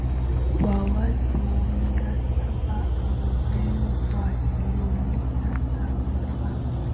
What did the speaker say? Wa watu mia saba arobaini kwa kilomita za mraba